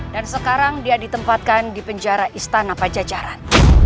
dan sekarang dia ditempatkan di penjara istana pajajaran